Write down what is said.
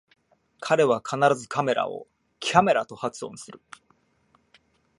彼は必ずカメラをキャメラと発音する